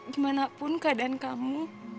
gimanapun keadaan kamu